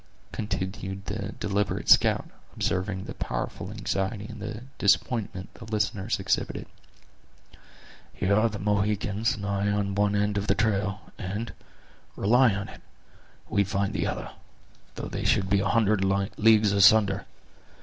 continued the deliberate scout, observing the powerful anxiety and disappointment the listeners exhibited; "here are the Mohicans and I on one end of the trail, and, rely on it, we find the other, though they should be a hundred leagues asunder!